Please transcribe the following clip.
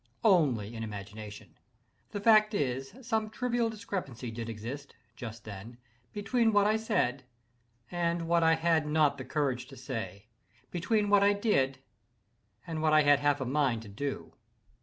Only in imagination. The fact is, some trivial discrepancy did exist, just then, between what I said and what I had not the courage to say—between what I did and what I had half a mind to do.